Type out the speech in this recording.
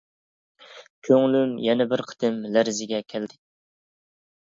كۆڭلۈم يەنە بىر قېتىم لەرزىگە كەلدى.